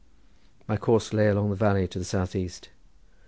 My course lay along the valley to the south east.